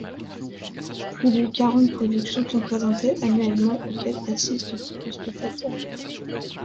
Plus de quarante productions sont présentées annuellement, auxquelles assistent plus de spectateurs.